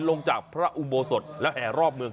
ลงจากพระอุโบสถแล้วแห่รอบเมือง